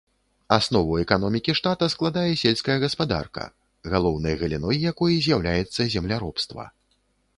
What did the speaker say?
Аснову эканомікі штата складае сельская гаспадарка, галоўнай галіной якой з'яўляецца земляробства.